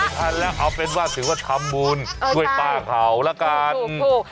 ทันแล้วเอาเป็นว่าถือว่าทำบุญด้วยป้าเขาแล้วกันเออใช่ถูก